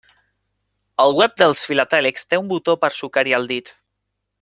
El web dels filatèlics té un botó per sucar-hi el dit.